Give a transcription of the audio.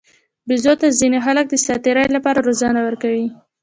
بیزو ته ځینې خلک د ساتیرۍ لپاره روزنه ورکوي.